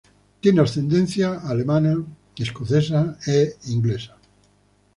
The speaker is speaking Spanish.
Tiene ascendencia alemana, escocesa e inglesa.